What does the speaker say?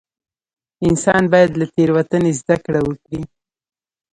انسان باید له تېروتنې زده کړه وکړي.